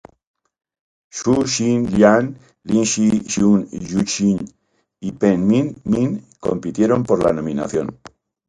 Hsu Hsin-liang, Lin Yi-hsiung, You Ching y Peng Ming-min compitieron por la nominación.